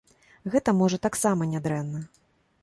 Гэта, можа, таксама не дрэнна.